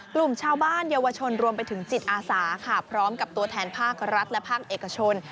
กลุ่มชาวบ้านเยาวชนรวมไปถึงจิตอาสาค่ะพร้อมกับตัวแทนภาครัฐและภาคเอกชน